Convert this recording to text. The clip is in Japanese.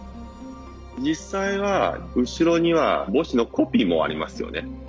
実際は後ろには墓誌のコピーもありますよね。